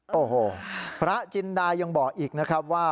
โอ้โหพระจินดายังบอกอีกนะครับว่า